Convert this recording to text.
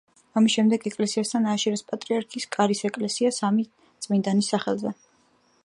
ამის შემდეგ ეკლესიასთან ააშენეს პატრიარქის კარის ეკლესია სამი წმინდანის სახელზე.